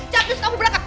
cap jus kamu berangkat